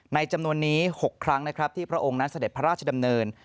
จำนวนนี้๖ครั้งนะครับที่พระองค์นั้นเสด็จพระราชดำเนิน